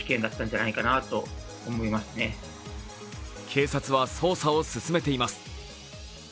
警察は捜査を進めています。